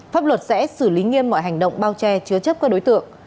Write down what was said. pháp luật sẽ xử lý nghiêm mọi hành động bao che chứa chấp các đối tượng